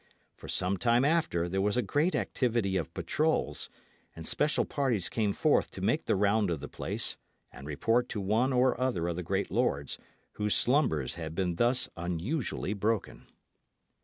For some time after, there was a great activity of patrols; and special parties came forth to make the round of the place and report to one or other of the great lords, whose slumbers had been thus unusually broken.